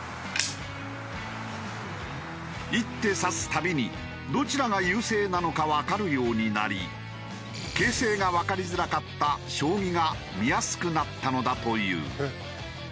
１手指すたびにどちらが優勢なのかわかるようになり形勢がわかりづらかった将棋が見やすくなったのだという。